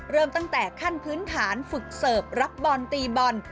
เริ่มตั้งแต่ขั้นพื้นฐานฝึกเสิร์ฟรักบอลตีบอล